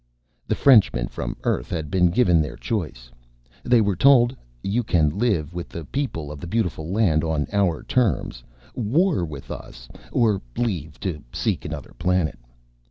The Frenchmen from Earth had been given their choice. They were told: "You can live with the people of the Beautiful Land on our terms war with us, or leave to seek another planet."